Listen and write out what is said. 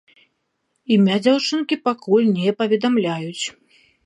Імя дзяўчынкі пакуль не паведамляюць.